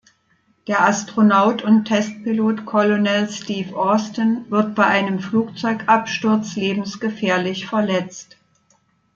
Der Astronaut und Testpilot Colonel Steve Austin wird bei einem Flugzeugabsturz lebensgefährlich verletzt.